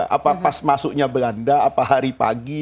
apa pas masuknya belanda apa hari pagi